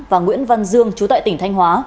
và nguyễn văn dương chú tại tỉnh thanh hóa